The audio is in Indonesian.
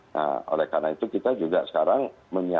nah oleh karena itu kita juga sekarang menyiapkan